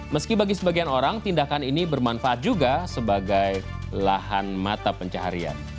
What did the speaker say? meski bagi sebagian orang tindakan ini bermanfaat juga sebagai lahan mata pencaharian